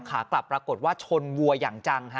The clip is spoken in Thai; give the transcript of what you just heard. ขากลับปรากฏว่าชนวัวอย่างจังฮะ